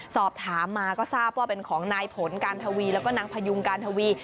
สอบถามมาก็ทราบว่าเป็นของนายผลการทวีแล้วก็นางพยุงการทวี